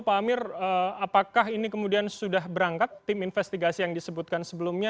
pak amir apakah ini kemudian sudah berangkat tim investigasi yang disebutkan sebelumnya